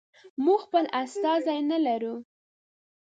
موږ خپل استازی نه لرو.